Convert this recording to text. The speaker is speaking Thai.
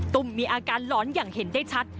ตุ้มมีอาการหลอนอย่างเห็นได้ชัด